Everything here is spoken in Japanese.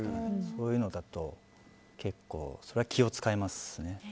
そういうのだと結構気を使いますね。